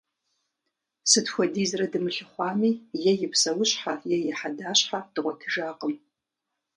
Сыт хуэдизрэ дымылъыхъуами, е и псэущхьэ е и хьэдащхьэ дгъуэтыжакъым.